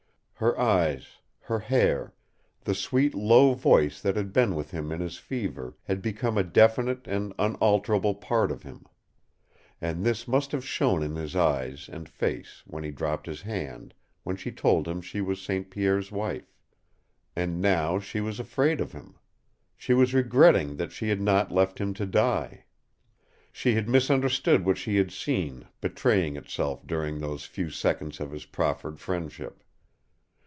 Her eyes, her hair, the sweet, low voice that had been with him in his fever, had become a definite and unalterable part of him. And this must have shown in his eyes and face when he dropped his hand when she told him she was St. Pierre's wife. And now she was afraid of him! She was regretting that she had not left him to die. She had misunderstood what she had seen betraying itself during those few seconds of his proffered friendship.